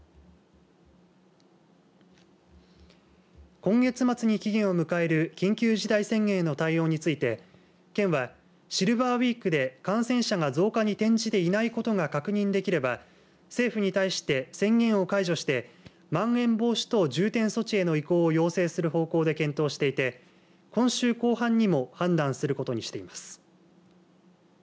今月末に期限を迎える緊急事態宣言への対応について県はシルバーウィークで感染者が増加に転じていないことが確認できれば政府に対して宣言を解除してまん延防止等重点措置への移行を要請する方向で検討していて今週後半にも判断することにしています。